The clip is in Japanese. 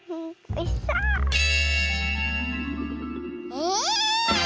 え